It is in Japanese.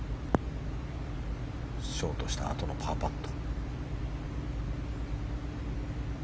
ショートしたあとのパーパット。